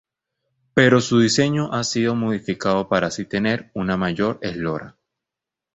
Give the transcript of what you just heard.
Pero su diseño ha sido modificado para así tener una mayor eslora.